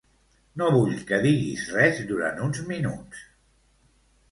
No vull que diguis res durant uns minuts.